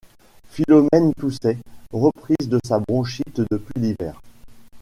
Philomène toussait, reprise de sa bronchite depuis l’hiver.